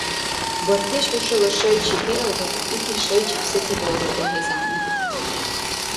Бархьдеш хӀушала шайчиб биалра, итил шайчиб се тебалра багьес гӀягӀнибиркур.